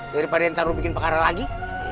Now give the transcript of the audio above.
daripada yang taruh bikin pekara lagi